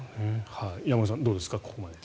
山口さん、どうですかここまでで。